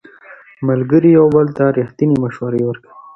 ملګري یو بل ته ریښتینې مشورې ورکوي